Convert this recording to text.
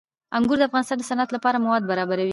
انګور د افغانستان د صنعت لپاره مواد برابروي.